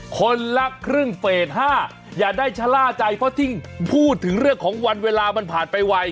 คนละครึ่งเฟส๕อย่าได้ชะล่าใจเพราะที่พูดถึงเรื่องของวันเวลามันผ่านไปไว